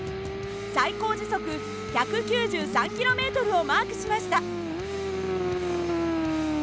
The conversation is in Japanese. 最高時速１９３ｋｍをマークしました。